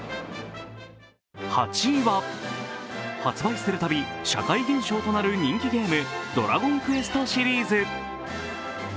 ８位は、発売するたび社会現象となる人気ゲーム「ドラゴンクエスト」シリーズ。